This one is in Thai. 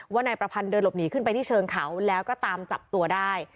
นายประพันธ์เดินหลบหนีขึ้นไปที่เชิงเขาแล้วก็ตามจับตัวได้